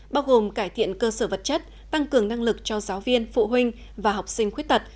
bao gồm cải thiện cơ sở vật chất tăng cường năng lực cho giáo viên phụ huynh và học sinh khuyết tật